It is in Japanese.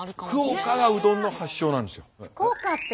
福岡がうどんの発祥なんですよ。